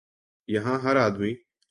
یہاں ہر آدمی